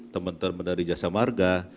teman teman dari jasa marga